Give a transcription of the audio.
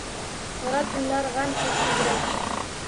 Qora tunlar g’am chekdi yurak